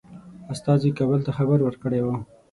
استازي کابل ته خبر ورکړی وو.